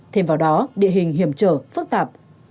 thêm vào đó địa hình hiểm trở phức tạp